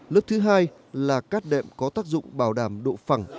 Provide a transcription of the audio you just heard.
lớp thứ hai là cát đệm có tác dụng bảo đảm độ phẳng